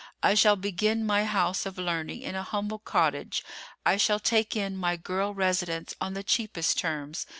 I shall begin my house of learning in a humble cottage. I shall take in my girl residents on the cheapest terms.